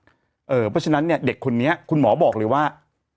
เพราะฉะนั้นเนี่ยเด็กคนนี้คุณหมอบอกเลยว่า